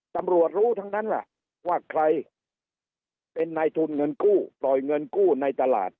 ตำรวจรู้ทั้งนั้นล่ะว่าใครเป็นนายทุนเงินกู้ปล่อยเงินกู้ในตลาด